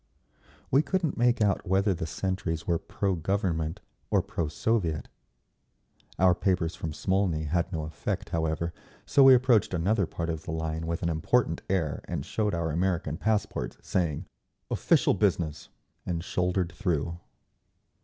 We couldn't make out whether the sentries were pro Government or pro Soviet. Our papers from Smolny had no effect, however, so we approached another part of the line with an important air and showed our American passports, saying "Official business!" and shouldered through.